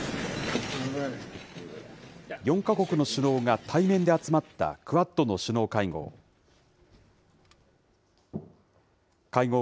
４か国の首脳が対面で集まったクアッドの首脳会合。